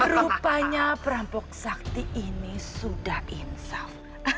rupanya perampok sakti ini sudah insap